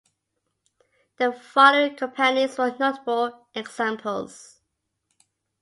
The following companies are notable examples.